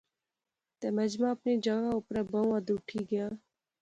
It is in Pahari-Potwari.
تہ مجمع اپنی جاغا اپرا بہوں حد اٹھِی گیا